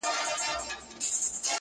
o چي بد گرځي، بد به پرځي!